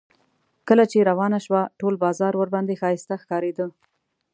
کله چې روانه شوه ټول بازار ورباندې ښایسته ښکارېده.